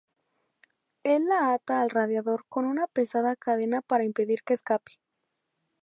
Él la ata al radiador con una pesada cadena para impedir que escape.